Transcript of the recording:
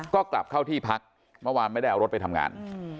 ก็กลับเข้าที่พักเมื่อวานไม่ได้เอารถไปทำงาน